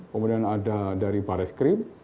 kemudian ada dari barreskrim